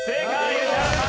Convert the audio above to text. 宇治原さん